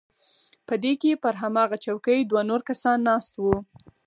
په دې کښې پر هماغه چوکۍ دوه نور کسان ناست وو.